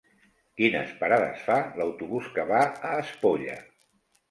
Quines parades fa l'autobús que va a Espolla?